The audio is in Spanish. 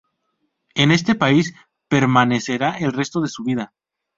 En este país permanecerá el resto de su vida.